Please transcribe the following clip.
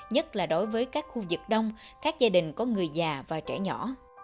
nhất là đối với các khu vực đông các gia đình có người già và trẻ nhỏ